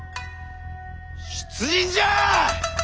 出陣じゃあ！